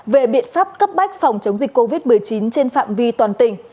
về biện pháp cấp bách phòng chống dịch covid một mươi chín trên phạm vi toàn tỉnh